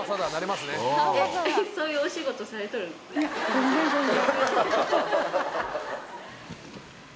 全然全然！